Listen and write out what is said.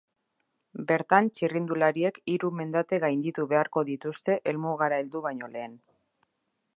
Bertan txirrindulariek hiru mendate gaindituko beharko dituzte helmugara heldu baino lehen.